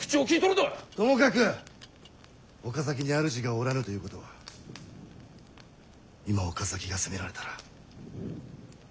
ともかく岡崎にあるじがおらぬということは今岡崎が攻められたら。